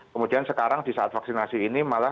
kemudian sekarang di saat vaksinasi ini malah